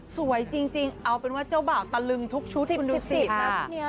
สวยจริงเอาเป็นว่าเจ้าบ่าวตะลึงทุกชุดคุณดูสิ